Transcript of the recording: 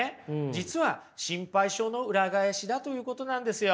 実は心配性の裏返しだということなんですよ。